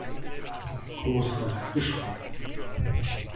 Groß war das Geschrei.